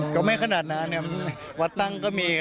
ก็ไม่ขนาดนั้นวัดตั้งก็มี